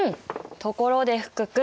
ところで福君。